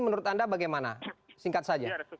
menurut anda bagaimana singkat saja